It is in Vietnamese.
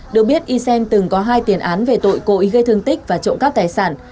được biết ysen từng có hai tiền án về tội cội gây thương tích và trộm cắp tài sản